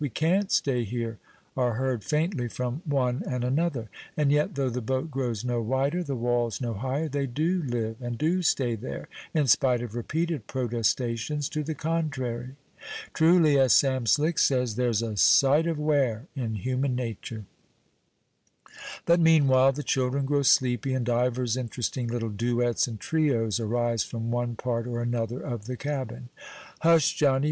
we can't stay here!" are heard faintly from one and another; and yet, though the boat grows no wider, the walls no higher, they do live, and do stay there, in spite of repeated protestations to the contrary. Truly, as Sam Slick says, "there's a sight of wear in human natur'." But, meanwhile, the children grow sleepy, and divers interesting little duets and trios arise from one part or another of the cabin. "Hush, Johnny!